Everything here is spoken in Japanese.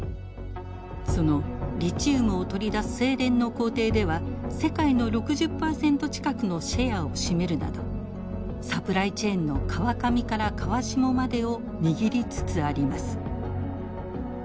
そのリチウムを取り出す精錬の工程では世界の６０％近くのシェアを占めるなどサプライチェーンの川上から川下までを握りつつあります。